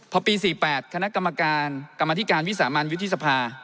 พอปี๔๘คณะกรรมการกรรมธิการวิสามันวุฒิสภา